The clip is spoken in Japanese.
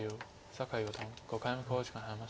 酒井四段５回目の考慮時間に入りました。